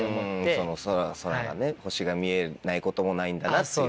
その空がね星が見えないこともないんだなっていうのが。